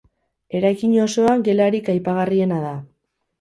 Eraikin osoan gelarik aipagarriena da.